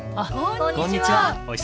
こんにちは！